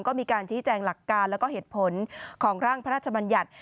ก็มีการชี้แจงหลักการแล้วก็เหตุผลของร่างพระราชบัญญัติ